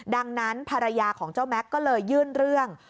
ดังนั้นภรรยาของเจ้าแม็กซ์ก็เลยยื่นเรื่อง